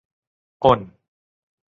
On